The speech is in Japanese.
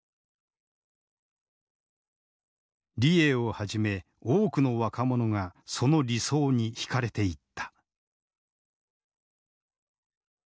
李鋭をはじめ多くの若者がその理想に引かれていった。